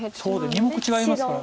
２目違いますから。